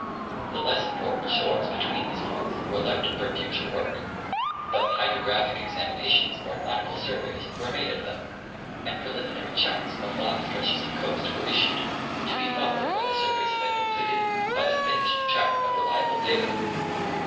The less important shores between these points were left for future work, biit Hydrographic examinations or Nautical sur veys, were made of them, and preliminary charts of long stretches of coast were issued, to be followed when the surveys had been completed by the finished chart of reliable data.